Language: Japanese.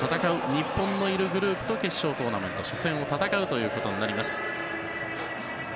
日本のいるグループと決勝トーナメント初戦を戦うということになります。